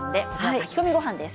炊き込みごはんです。